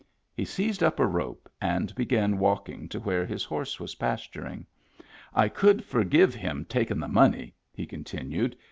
" He seized up a rope and began walking to where his horse was pasturing. "I could for give him takin' the money," he continued.